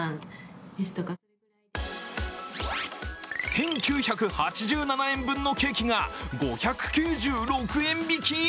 １９８７円分のケーキが５９６円引き。